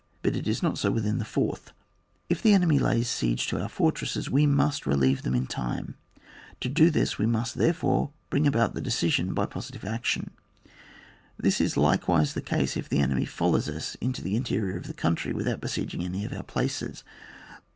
But it is not so with the fourtL If the enemy lays siege to our for tresses we must relieve them in time, to do this we must therefore bring about the decision by positive action. This is likewise the case if the enemy foUows.us into the interior of the coimtry without besieging any of our places.